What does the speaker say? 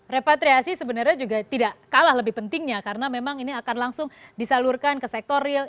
repatriasi sebenarnya juga tidak kalah lebih pentingnya karena memang ini akan langsung disalurkan ke sektor real